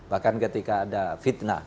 bahkan ketika ada fitnah